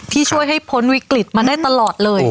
ที่ช่วยให้พ้นวิกฤตมาได้ตลอดเลย